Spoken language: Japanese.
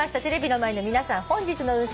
テレビの前の皆さん。